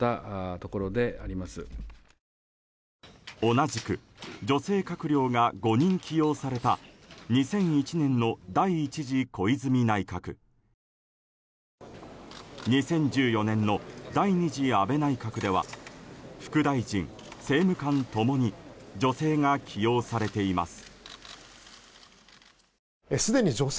同じく女性閣僚が５人起用された２００１年の第１次小泉内閣２０１４年の第２次安倍内閣では副大臣、政務官共に女性が起用されています。